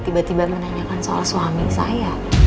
kenapa bapak tiba tiba menanyakan soal suami saya